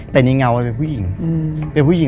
แต่ในเงาเป็นผู้หญิง